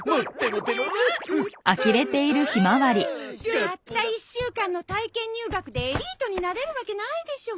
たった１週間の体験入学でエリートになれるわけないでしょ。